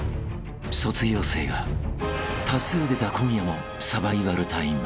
［卒業生が多数出た今夜もサバイバルタイム］